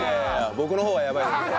僕の方がやばいですから。